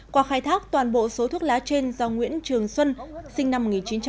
qua khai thác toàn bộ số thuốc lá trên do nguyễn trường xuân sinh năm một nghìn chín trăm tám mươi